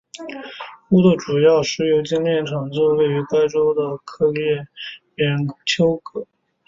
乌主要的石油精炼厂就位于该州的克列缅丘格。